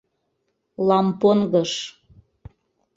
— Лампонгыш!